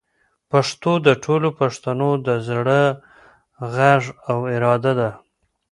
پښتو د ټولو پښتنو د زړه غږ او اراده ده.